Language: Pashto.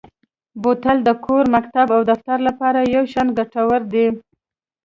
بوتل د کور، مکتب او دفتر لپاره یو شان ګټور دی.